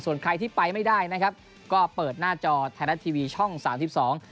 ส่วนใครที่ไปไม่ได้นะครับก็เปิดหน้าจอไทยรัฐทีวีช่องสามสิบสอง